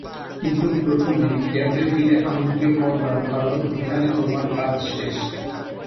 কিন্তু প্রথমে, ক্যাম্পে ফিরে আম্মুকে কল দাও কারন এখানে তোমার কাজ শেষ।